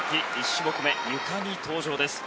１種目め、ゆかに登場です。